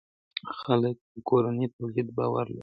خلک په کورني تولید باور لري.